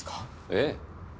ええ。